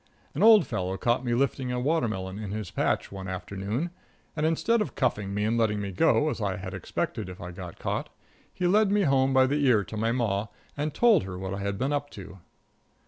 An old fellow caught me lifting a watermelon in his patch, one afternoon, and instead of cuffing me and letting me go, as I had expected if I got caught, he led me home by the ear to my ma, and told her what I had been up to.